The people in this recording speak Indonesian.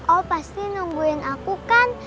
oh pasti nungguin aku kan